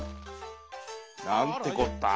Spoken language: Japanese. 「なんてこったぁ。